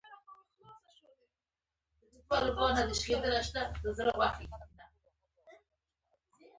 له همدې کارتن څخه به مو بوټي را اخیستل او کوټه به مو ګرموله.